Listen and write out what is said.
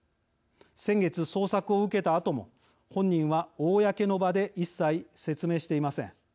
先月、捜索を受けたあとも本人は公の場で一切、説明していません。